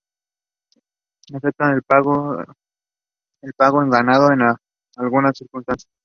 Se aceptaba el pago en ganado en algunas circunstancias.